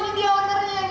ini dia ordernya nih